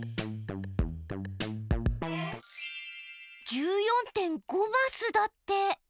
１４．５マスだって。